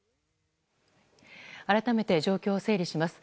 改めて状況を整理します。